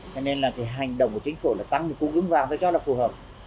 cho nên là cái hành động của chính phủ là tăng cái cung ứng vàng tôi cho là phù hợp